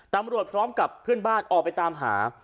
ตำรวจพร้อมกับเพื่อนบ้านออกไปตามหา